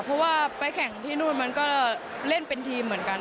เพราะว่าไปแข่งที่นู่นมันก็เล่นเป็นทีมเหมือนกัน